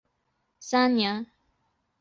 雍正三年。